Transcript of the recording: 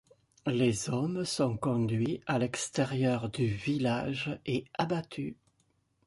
Les hommes sont conduits à l'extérieur du village et abattus.